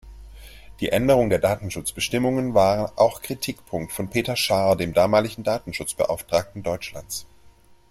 Die Änderung der Datenschutzbestimmungen war auch Kritikpunkt von Peter Schaar, dem damaligen Datenschutzbeauftragten Deutschlands.